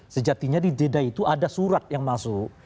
sejatinya di deda itu ada surat yang masuk